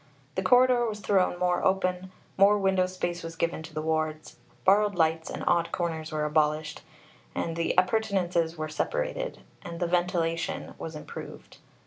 The corridor was thrown more open; more window space was given to the wards; borrowed lights and odd corners were abolished; the appurtenances were separated; and the ventilation was improved.